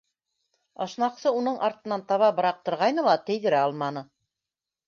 Ашнаҡсы уның артынан таба быраҡтырғайны ла тейҙерә алманы.